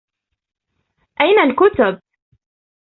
أين الكتب ؟